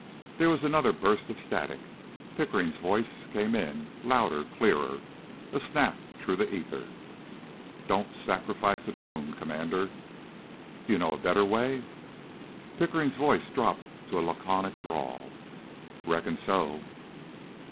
There was another burst of static. Pickering's voice came in louder, clearer, a snap through the ether. "Don't sacrifice the drone, Commander!" "Do you know a better way?" Pickering's voice dropped to a laconic drawl. "Reckon so."